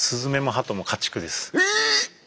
⁉ハトも一緒です。